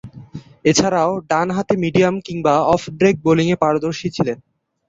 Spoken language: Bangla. এছাড়াও, ডানহাতে মিডিয়াম কিংবা অফ ব্রেক বোলিংয়ে পারদর্শী ছিলেন।